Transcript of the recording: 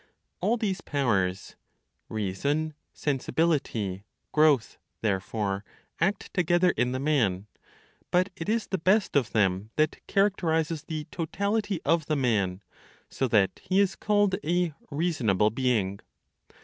All these powers (reason, sensibility, growth), therefore act together in the man; but it is the best of them that characterizes the totality of the man (so that he is called a "reasonable being").